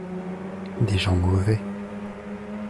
Des gens mauvais.